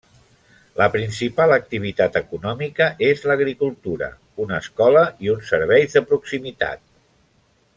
La principal activitat econòmica és l'agricultura, una escola i uns serveis de proximitat.